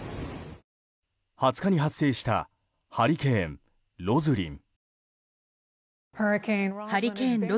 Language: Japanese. ２０日に発生したハリケーン、ロズリン。